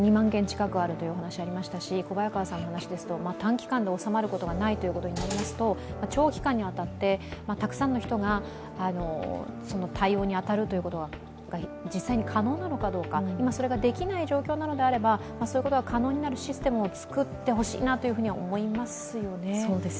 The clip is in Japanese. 核あるということですし、小早川さんの話ですと、短期間で収まることがないとなりますと長期間にわたってたくさんの人が対応に当たるということは実際に可能なのかどうか、それができない状況なのであれば、そういうことが可能になるシステムを作ってほしいなと思いますよね。